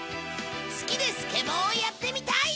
月でスケボーをやってみたい！